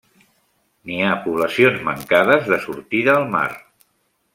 N'hi ha poblacions mancades de sortida al mar.